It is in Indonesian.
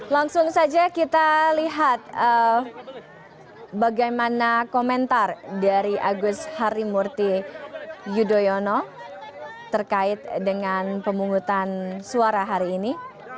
langsung saja kita lihat bagaimana komentar dari agus harimurti yudhoyono terkait dengan pemungutan suara hari ini